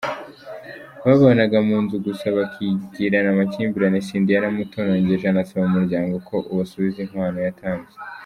Babanaga mu nzu gusa bakigirana amakimbirane Cindy yaramutorongeje anasaba umuryango ko ‘usubiza inkwano yatanze’.